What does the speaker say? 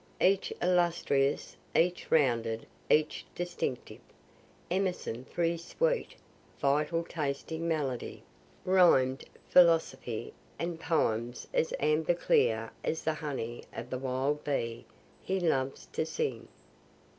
Each illustrious, each rounded, each distinctive. Emerson for his sweet, vital tasting melody, rhym'd philosophy, and poems as amber clear as the honey of the wild bee he loves to sing.